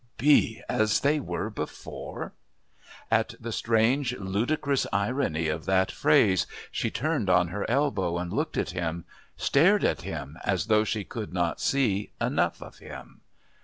Be as they were before! At the strange, ludicrous irony of that phrase she turned on her elbow and looked at him, stared at him as though she could not see enough of him.